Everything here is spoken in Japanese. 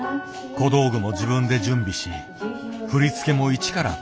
小道具も自分で準備し振り付けも一から考える。